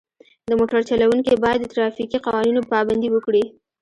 د موټر چلوونکي باید د ترافیکي قوانینو پابندي وکړي.